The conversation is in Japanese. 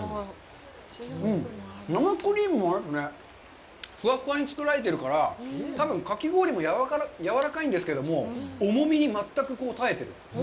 生クリームもふわふわに作られてるから、多分かき氷もやわらかいんですけども、重みに全く耐えてる。